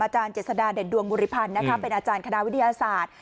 เจษฎาเด่นดวงบริพันธ์เป็นอาจารย์คณะวิทยาศาสตร์